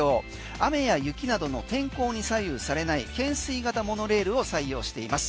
雨や雪などの天候に左右されない懸垂型モノレールを採用しています。